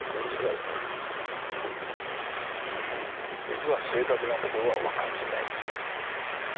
実は正確なところは分かっていないんです。